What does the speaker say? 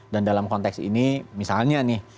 dan dalam konteks ini misalnya nih